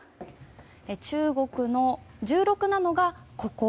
中国の１６ナノが、ここ。